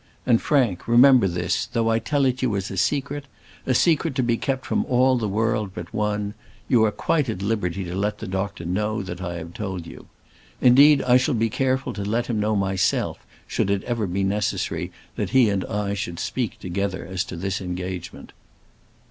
And, Frank, remember this, though I tell it you as a secret, a secret to be kept from all the world but one, you are quite at liberty to let the doctor know that I have told you. Indeed, I shall be careful to let him know myself should it ever be necessary that he and I should speak together as to this engagement."